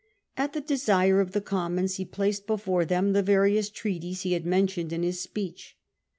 At the desire of the Commons he placed before them the various treaties he had mentioned in his speech.